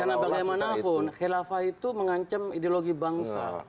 karena bagaimanapun khilafah itu mengancam ideologi bangsa